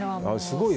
すごい。